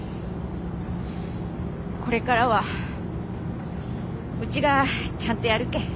これからはうちがちゃんとやるけん。